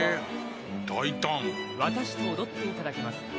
「私と踊っていただけますか？」